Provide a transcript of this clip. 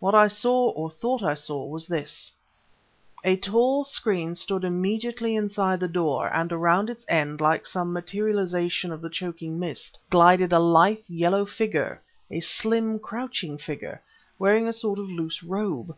What I saw or thought I saw was this: A tall screen stood immediately inside the door, and around its end, like some materialization of the choking mist, glided a lithe, yellow figure, a slim, crouching figure, wearing a sort of loose robe.